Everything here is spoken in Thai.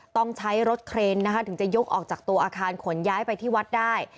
ต้องใช้รถเครนนะคะถึงจะยกออกจากตัวอาคารขนย้ายไปที่วัดได้